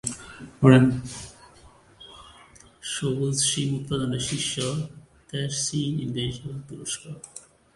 সবুজ শিম উৎপাদনে শীর্ষ দেশ চীন, ইন্দোনেশিয়া এবং তুরস্ক।